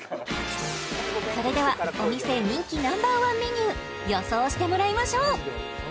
それではお店人気Ｎｏ．１メニュー予想してもらいましょう！